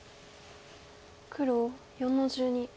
黒４の十二。